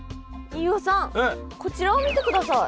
飯尾さんこちらを見てください。